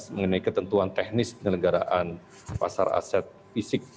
mengenai ketentuan teknis penyelenggaraan pasar aset fisik